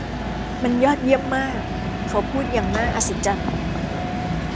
มันยอดเยี่ยมมากเขาพูดอย่างน่าอัศจรรย์